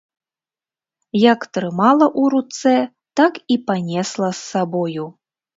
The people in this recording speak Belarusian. Як трымала ў руцэ, так і панесла з сабою.